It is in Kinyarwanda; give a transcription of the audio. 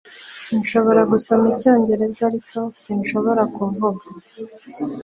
Nshobora gusoma Icyongereza ariko sinshobora kuvuga